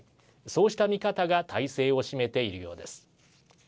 そうした見方が大勢を占めているようです。